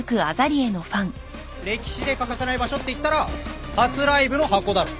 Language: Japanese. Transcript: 歴史で欠かせない場所っていったら初ライブのハコだろ。